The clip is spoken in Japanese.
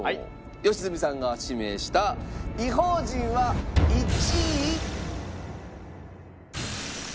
良純さんが指名した『異邦人』は１位。